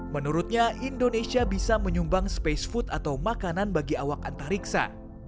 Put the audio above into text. menurutnya indonesia bisa menyumbang space food atau makanan bagi awak antariksa